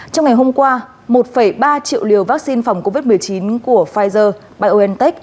trong ngày hôm qua một ba triệu liều vaccine phòng covid một mươi chín của pfizer biontech